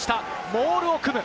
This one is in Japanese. モールを組む。